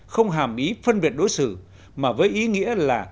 không hàm ý phân biệt đối xử mà với ý nghĩa là